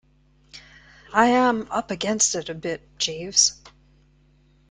I am up against it a bit, Jeeves.